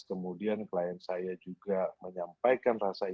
kemudian klien saya juga menyampaikan rasa ini